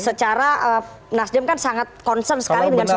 secara nasdem kan sangat concern sekali dengan suara